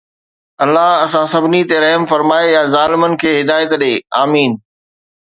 الله اسان سڀني تي رحم فرمائي يا ظالمن کي هدايت ڏي، آمين